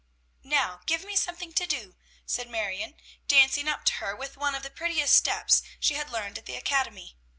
"Now give me something to do," said Marion dancing up to her with one of the prettiest steps she had learned at the academy.